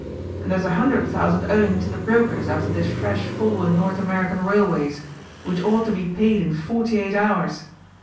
And there's a hundred thousand owing to the brokers after this fresh fall in North American Bailways, which ought to be paid in forty eight hours.